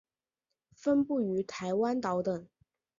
分布于台湾岛等。